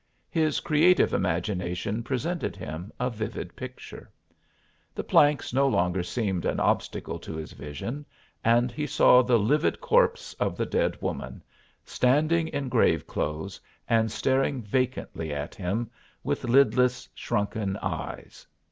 His creative imagination presented him a vivid picture. The planks no longer seemed an obstacle to his vision and he saw the livid corpse of the dead woman, standing in grave clothes, and staring vacantly at him, with lidless, shrunken eyes.